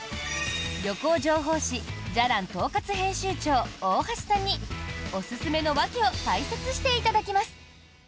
旅行情報誌「じゃらん」統括編集長、大橋さんにおすすめの訳を解説していただきます。